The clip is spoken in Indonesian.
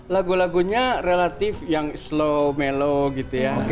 lagu lagunya relatif yang slow melo gitu ya